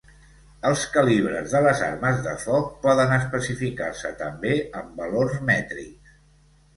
Els calibres de les armes de foc poden especificar-se també en valors mètrics.